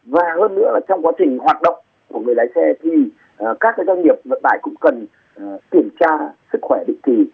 và hơn nữa là trong quá trình hoạt động của người lái xe thì các doanh nghiệp vận tải cũng cần kiểm tra sức khỏe định kỳ